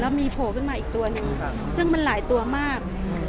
มีโผล่ขึ้นมาอีกตัวหนึ่งซึ่งมันหลายตัวมาก